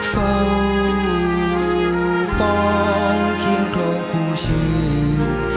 เฝ้าป้องเคียงโครงคู่ชิง